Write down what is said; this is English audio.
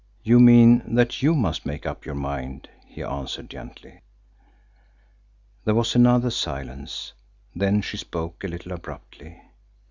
"You mean that you must make up your mind," he answered gently. There was another silence. Then she spoke a little abruptly.